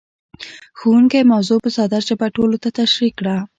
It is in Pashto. ښوونکی موضوع په ساده ژبه ټولو ته تشريح کړه.